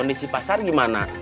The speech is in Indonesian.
kondisi pasar gimana